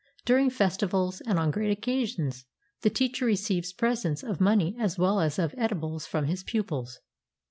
During festivals and on great occasions, the teacher receives presents of money as well as of eatables from his pupils.